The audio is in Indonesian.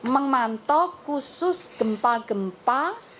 mengmantau khusus gempa gempa